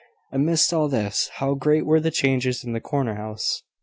Amidst all this, how great were the changes in the corner house!